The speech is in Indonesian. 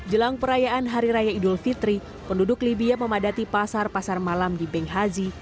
jelang perayaan hari raya idul fitri penduduk libya memadati pasar pasar malam di benghazi